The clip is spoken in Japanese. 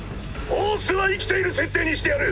ホースは生きている設定にしてやる。